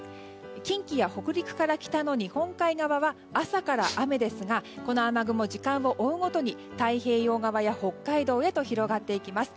近畿や北陸から北の日本海側は朝から雨ですがこの雨雲、時間を追うごとに太平洋側や北海道へと広がっていきます。